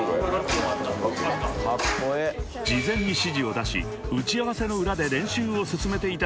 ［事前に指示を出し打ち合わせの裏で練習を進めていたところに合流］